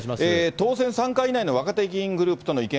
当選３回以内の若手議員グループとの意見